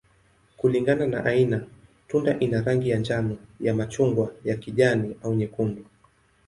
Kulingana na aina, tunda ina rangi ya njano, ya machungwa, ya kijani, au nyekundu.